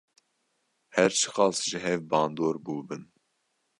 Her çi qas ji hev bandor bûbin.